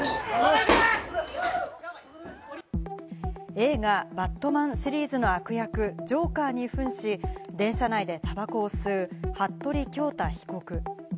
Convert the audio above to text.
映画『バットマン』シリーズの悪役・ジョーカーに扮し、電車内でタバコを吸う服部恭太被告。